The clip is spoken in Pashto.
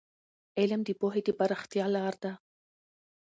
علم د پوهې د پراختیا لار ده.